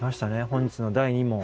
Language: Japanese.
本日の第２問。